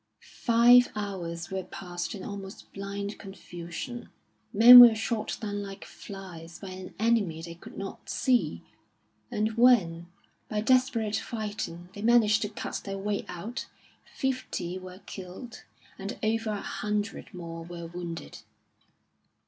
Five hours were passed in almost blind confusion; men were shot down like flies by an enemy they could not see; and when, by desperate fighting, they managed to cut their way out, fifty were killed and over a hundred more were wounded.